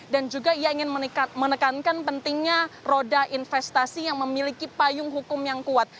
dan juga ia ingin menekankan pentingnya roda investasi yang memiliki payung hukum yang kuat